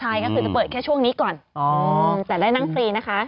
ใช่ก็คือจะเปิดแค่ช่วงนี้ก่อนอ๋อแต่ได้นั่งฟรีนะคะ